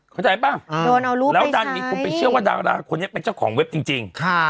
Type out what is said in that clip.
เข้าใจป่ะโดนเอาลูกแล้วดันมีคนไปเชื่อว่าดาราคนนี้เป็นเจ้าของเว็บจริง